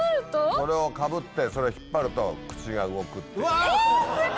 それをかぶってそれ引っ張ると口が動くっていう。